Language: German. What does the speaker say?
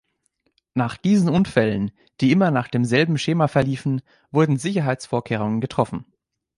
Nach diesen Unfällen, die immer nach demselben Schema verliefen, wurden Sicherheitsvorkehrungen getroffen.